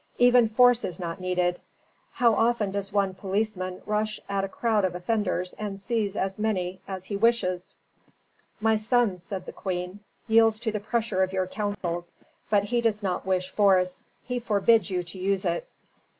"Even force is not needed. How often does one policeman rush at a crowd of offenders and seize as many as he wishes." "My son," said the queen, "yields to the pressure of your counsels. But he does not wish force; he forbids you to use it."